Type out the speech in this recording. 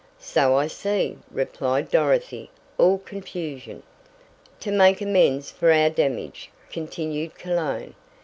"So I see," replied Dorothy, all confusion. "To make amends for our damage," continued Cologne.